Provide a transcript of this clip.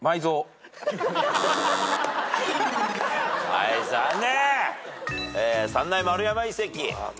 はい残念！